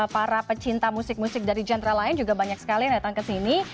para pecinta musik musik dari genre lain juga banyak sekali yang datang ke sini